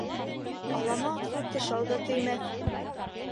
Алама атҡа тышау ҙа теймәҫ.